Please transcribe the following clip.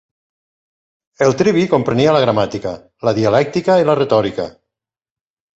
El trivi comprenia la gramàtica, la dialèctica i la retòrica.